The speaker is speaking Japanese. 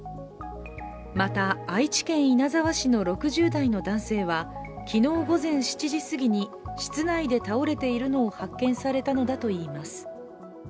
また、愛知県稲沢市の６０代の男性は昨日午前７時すぎに室内で倒れているのを発見されたのだといいます。